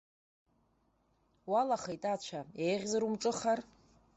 Уалахеит ацәа, еиӷьзар умҿыхар?